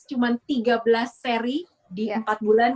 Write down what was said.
cuma tiga belas seri di empat bulan